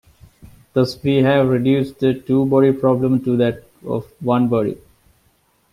Thus we have reduced the two-body problem to that of one body.